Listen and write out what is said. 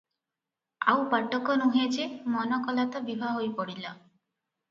ଆଉ ପାଟକ ନୁହେଁ ଯେ, ମନ କଲା ତ ବିଭା ହୋଇ ପଡ଼ିଲା ।